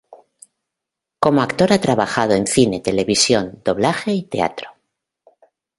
Como actor ha trabajado en cine, televisión, doblaje y teatro.